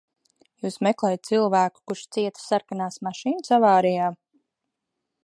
Jūs meklējat cilvēku, kurš cieta sarkanās mašīnas avārijā?